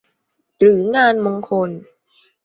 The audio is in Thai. หรืองานมงคล